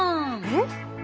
えっ？